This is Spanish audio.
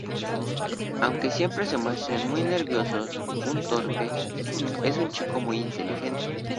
Aunque siempre se muestra muy nervioso y torpe, es un chico muy inteligente.